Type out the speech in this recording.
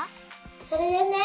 それでね